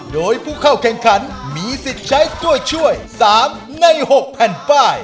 โดยผู้เข้าแข่งขันมีสิทธิ์ใช้ตัวช่วย๓ใน๖แผ่นป้าย